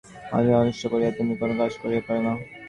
কাহারও অনিষ্ট না করিয়া তুমি কোন কাজ করিতে পার না।